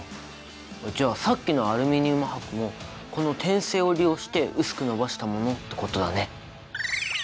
じゃあさっきのアルミニウム箔もこの展性を利用して薄く延ばしたものってことだね。